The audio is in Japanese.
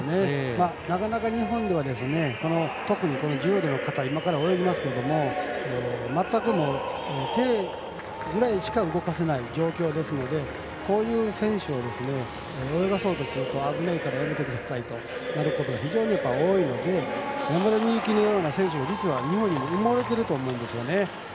なかなか日本では特に重度の方今から泳ぎますけど全く、手ぐらいしか動かせない状態ですのでこういう選手を泳がそうとすると危ないからやめてくださいとなることが非常に多いので山田美幸のような選手実は日本でも埋もれてると思うんですうよね。